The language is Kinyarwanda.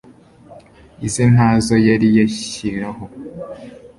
ize ntazo yari yashyiraho